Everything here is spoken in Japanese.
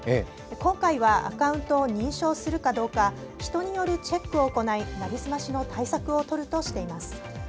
今回はアカウントを認証するかどうか人によるチェックを行い成り済ましの対策を取るとしています。